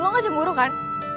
lo gak cemburu kan